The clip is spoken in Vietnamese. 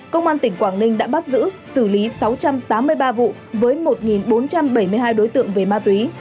công an tỉnh quảng ninh đã bắt giữ xử lý sáu trăm tám mươi ba vụ với một bốn trăm bảy mươi hai đối tượng về ma túy